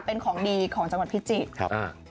เป็นของดีของจังหวัดพิจิตรครับ